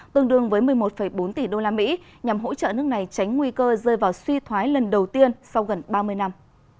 tương đương với một mươi một bốn tỷ usd nhằm hỗ trợ nước này tránh nguy cơ rơi vào suy thoái lần đầu tiên sau gần ba mươi năm